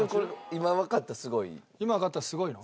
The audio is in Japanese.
今わかったらすごいの？